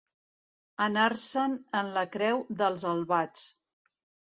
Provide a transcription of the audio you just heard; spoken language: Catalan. Anar-se'n en la creu dels albats.